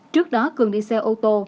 trước đó cường đi xe ô tô